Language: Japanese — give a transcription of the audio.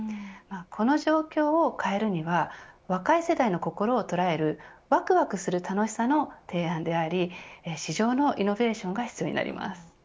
この状況を変えるには若い世代の心を捉えるわくわくする楽しさの提案であり市場のイノベーションが必要になります。